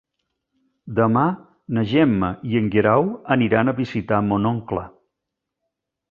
Demà na Gemma i en Guerau aniran a visitar mon oncle.